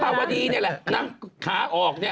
พี่ปราวดีนี่แหละแค่ขาออกนี่